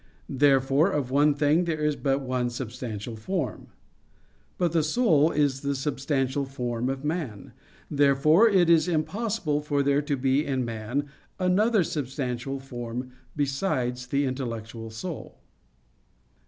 Therefore of one thing there is but one substantial form. But the soul is the substantial form of man. Therefore it is impossible for there to be in man another substantial form besides the intellectual soul.